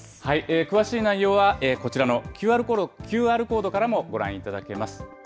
詳しい内容はこちらのＱＲコードからもご覧いただけます。